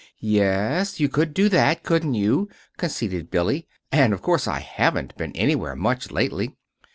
"Y yes, you could do that, couldn't you?" conceded Billy; "and, of course, I haven't been anywhere much, lately."